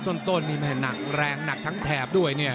ต้นนี่แม่หนักแรงหนักทั้งแถบด้วยเนี่ย